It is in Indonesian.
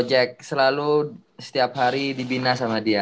jack selalu setiap hari dibina sama dia